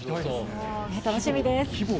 楽しみです。